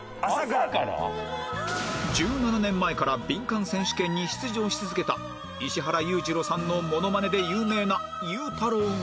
１７年前からビンカン選手権に出場し続けた石原裕次郎さんのモノマネで有名なゆうたろうが